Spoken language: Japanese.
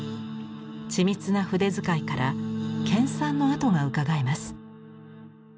緻密な筆遣いから研さんのあとがうかがえます。